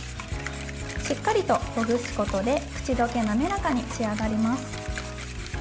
しっかりとほぐすことで口どけ滑らかに仕上がります。